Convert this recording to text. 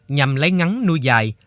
nhằm lấy ngắn nuôi dài